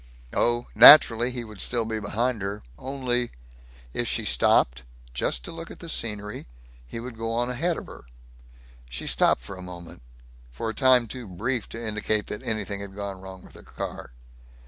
Oh, naturally; he would still be behind her. Only If she stopped, just to look at the scenery, he would go on ahead of her. She stopped for a moment for a time too brief to indicate that anything had gone wrong with her car.